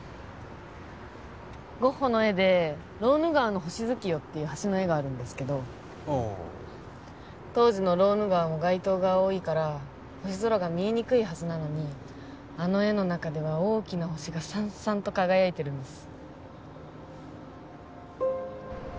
ゴッホの絵で「ローヌ川の星月夜」っていう橋の絵があるんですけどああ当時のローヌ川も街灯が多いから星空が見えにくいはずなのにあの絵の中では大きな星がさんさんと輝いてるんです